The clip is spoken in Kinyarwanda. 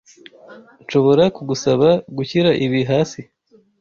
Nshobora kugusaba gushyira ibi hasi?